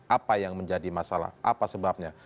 apa yang menjadi masalah apa sebabnya